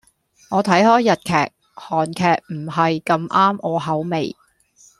我睇開日劇，韓劇唔係咁啱我口味